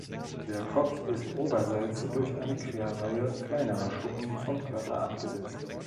Der Kopf ist oberseits durch eine Querreihe kleinerer Schuppen vom Körper abgesetzt.